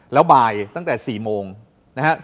แล้วบ่ายตั้งแต่๔โมงนะครับ